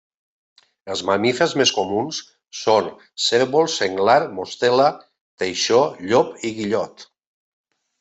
Els mamífers més comuns són cérvol, senglar, mostela, teixó, llop i guillot.